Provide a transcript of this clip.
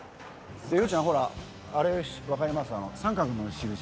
洋ちゃんほらあれ分かります？